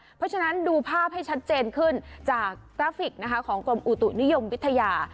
เพราะฉะนั้นดูภาพให้ชัดเจนขึ้นจากกราฟิกนะคะของกรมอุตุนิยมวิทยา